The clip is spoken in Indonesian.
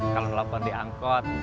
kalau telepon diangkot